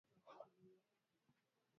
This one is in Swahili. Asante bwana kwa yote umetenda